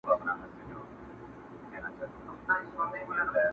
زما یادیږي د همدې اوبو پر غاړه!!